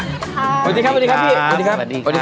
สวัสดีครับสวัสดีครับพี่